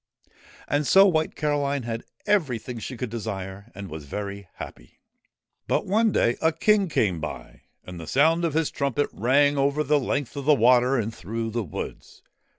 And so White Caroline had everything she could desire, and was very happy. But one day a King came by, and the sound of his trumpet rang over the length of the water and through the woods.